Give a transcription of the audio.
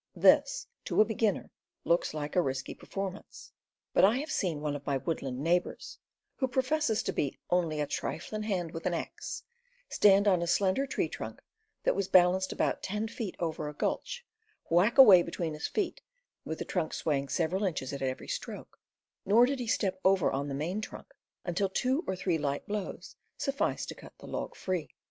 This, to a beginner, looks like a risky performance; but I have seen one of my woodland neighbors, who professes to be "only a triflin' hand with an axe," stand on a slen der tree trunk that was balanced about ten feet over a gulch, whack away between his feet, with the trunk swaying several inches at every stroke, nor did he step over on the main trunk until two or three light blows sufficed to cut the end log free.